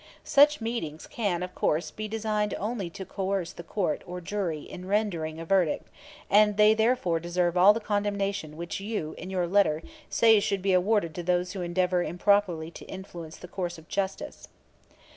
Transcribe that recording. Such meetings can, of course, be designed only to coerce court or jury in rendering a verdict, and they therefore deserve all the condemnation which you in your letters say should be awarded to those who endeavor improperly to influence the course of justice.